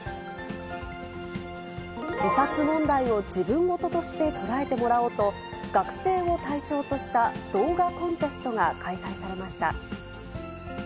自殺問題を自分事として捉えてもらおうと、学生を対象とした動画コンテストが開催されました。